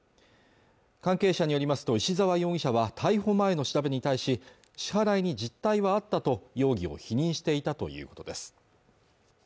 関係者によりますと石沢容疑者は逮捕前の調べに対し支払いに実態はあったと容疑を否認していたということです